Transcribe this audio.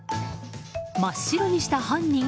真っ白にした犯人？